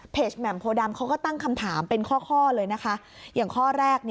แหม่มโพดำเขาก็ตั้งคำถามเป็นข้อข้อเลยนะคะอย่างข้อแรก